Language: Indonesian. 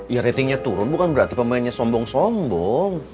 ya ratingnya turun bukan berarti pemainnya sombong sombong